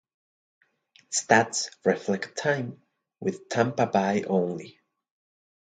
Stats reflect time with Tampa Bay only.